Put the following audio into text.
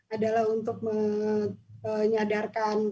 adalah untuk menyadarkan